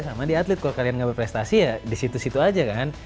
sama di atlet kalau kalian gak berprestasi ya di situ situ aja kan